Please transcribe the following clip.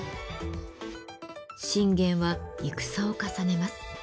信玄は戦を重ねます。